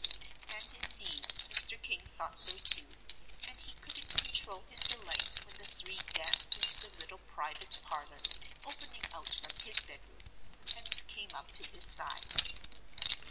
And, indeed, Mr. King thought so too, and he couldn't control his delight when the three danced into the little private parlour, opening out from his bedroom, and came up to his side.